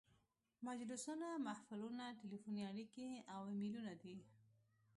مجلسونه، محفلونه، تلیفوني اړیکې او ایمیلونه دي.